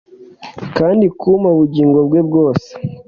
kandi kumpa ubugingo bwe bwose